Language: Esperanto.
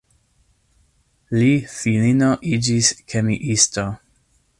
Li filino iĝis kemiisto.